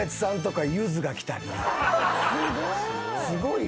すごい。